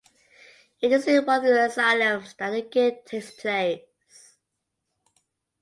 It is in one of these asylums that the game takes place.